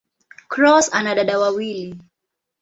Cross ana dada wawili.